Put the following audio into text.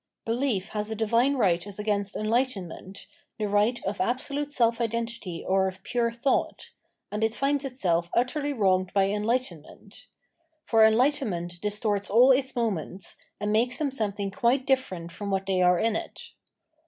i Belief has a divine right as against enlighte.jnment, the right of absolute self identity or of pure thfcought ; and it finds itself utterly wronged by enldghten ment ; for enlightenment distorts all its momemte, and makes them something quite different from whait they are in it.